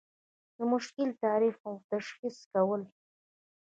د مشکل تعریف او تشخیص کول.